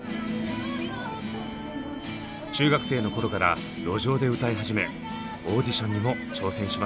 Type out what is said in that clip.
中学生の頃から路上で歌い始めオーディションにも挑戦します。